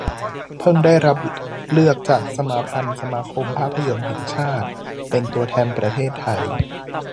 เพิ่งได้รับเลือกจากสมาพันธ์สมาคมภาพยนตร์แห่งชาติ เป็นตัวแทนประเทศไทย